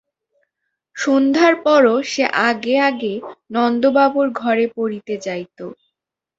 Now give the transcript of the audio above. সন্ধ্যার পরও সে আগে আগে নন্দবাবুর ঘরে পড়িতে যাইত।